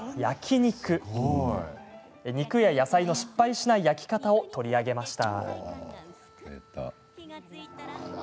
肉や野菜の失敗しない焼き方を取り上げました。